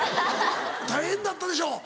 大変だったでしょ